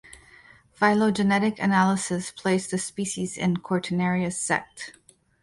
Phylogenetic analysis placed the species in "Cortinarius" sect.